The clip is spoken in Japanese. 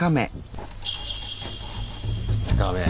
２日目。